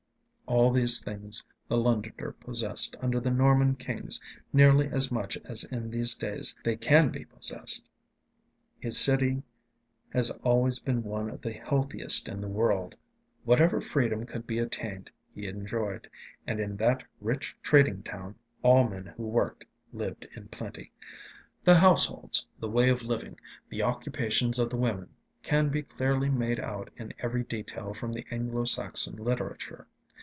All these things the Londoner possessed under the Norman kings nearly as much as in these days they can be possessed. His city has always been one of the healthiest in the world; whatever freedom could be attained he enjoyed; and in that rich trading town all men who worked lived in plenty. The households, the way of living, the occupations of the women, can be clearly made out in every detail from the Anglo Saxon literature.